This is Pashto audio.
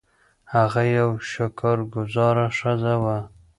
هغه یوه شکر ګذاره ښځه وه.